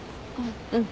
うん。